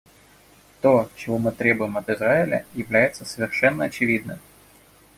То, чего мы требуем от Израиля, является совершенно очевидным.